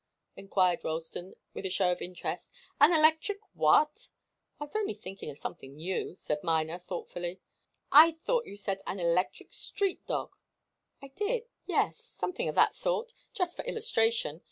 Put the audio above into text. enquired Ralston, with a show of interest. "An electric what?" "I was only thinking of something new," said Miner, thoughtfully. "I thought you said, an electric street dog " "I did yes. Something of that sort, just for illustration.